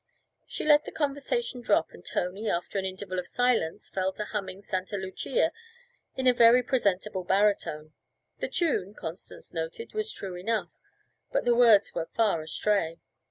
She let the conversation drop, and Tony, after an interval of silence, fell to humming Santa Lucia in a very presentable baritone. The tune, Constance noted, was true enough, but the words were far astray.